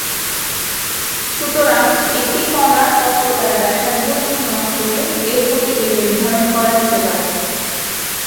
সুতরাং, একটি কণার বক্রতার ব্যাসার্ধ পরিমাপ করে, এর গতিবেগ নির্ধারণ করা যেতে পারে।